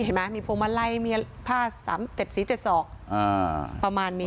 เป็นผลไมลายเหมี่ยาผ้า๗๔๗๒ประมาณนี้